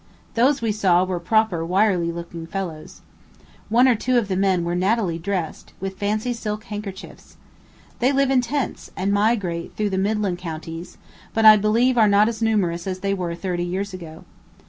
Those we saw were proper wiry looking fellows. One or two of the men were nattily dressed, with fancy silk handkerchiefs. They live in tents, and migrate through the midland counties, but I believe are not as numerous as they were thirty years ago.